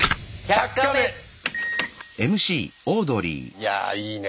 いやぁいいね